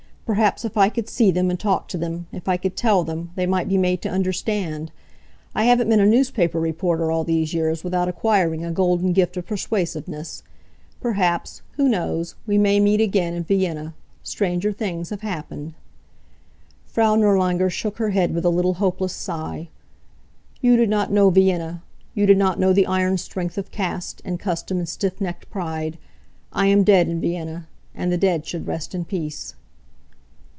Perhaps if I could see them, and talk to them if I could tell them they might be made to understand. I haven't been a newspaper reporter all these years without acquiring a golden gift of persuasiveness. Perhaps who knows? we may meet again in Vienna. Stranger things have happened." Frau Nirlanger shook her head with a little hopeless sigh. "You do not know Vienna; you do not know the iron strength of caste, and custom and stiff necked pride. I am dead in Vienna. And the dead should rest in peace."